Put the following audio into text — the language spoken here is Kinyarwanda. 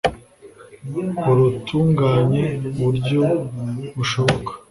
urutunganye uburyo bushoboka